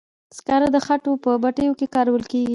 سکاره د خښتو په بټیو کې کارول کیږي.